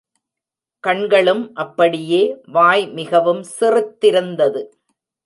கண்களும் அப்படியே வாய் மிகவும் சிறுத்திருந்தது.